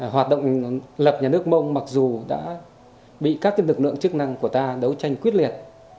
hoạt động lập nhà nước mông mặc dù đã bị các lực lượng chức năng của ta đấu tranh quyết liệt